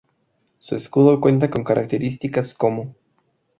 Su escudo cuenta con características como.